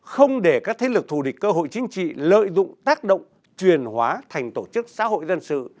không để các thế lực thù địch cơ hội chính trị lợi dụng tác động truyền hóa thành tổ chức xã hội dân sự